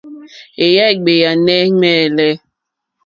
Èyà é ɡbɛ̀ɛ̀nɛ̀ ŋmɛ̂lɛ̂.